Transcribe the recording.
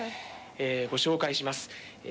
えご紹介します。